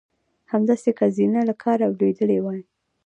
همداسې که زینه له کاره لوېدلې وای.